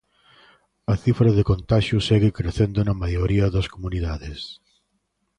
A cifra de contaxios segue crecendo na maioría das comunidades.